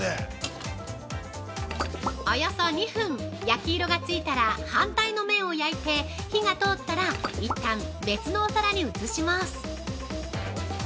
◆およそ２分、焼き色がついたら反対の面を焼いて、火が通ったら、一旦別のお皿に移します。